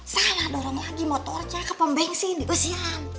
saya dorong lagi motornya ke pembensin di usian